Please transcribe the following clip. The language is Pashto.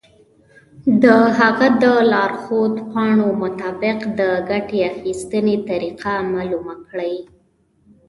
د هغه د لارښود پاڼو مطابق د ګټې اخیستنې طریقه معلومه کړئ.